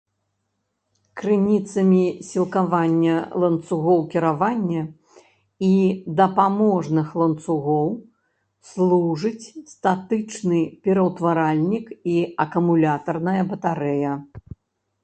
Крыніцамі сілкавання ланцугоў кіравання і дапаможных ланцугоў служыць статычны пераўтваральнік і акумулятарная батарэя.